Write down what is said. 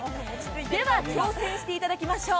では、挑戦していただきましょう。